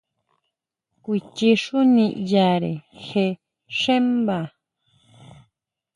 Kuichi xú niyare je xúmba?